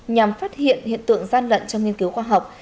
nhằm phát hiện hiện tượng gian lận trong nghiên cứu khoa học